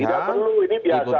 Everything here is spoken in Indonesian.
tidak perlu ini biasa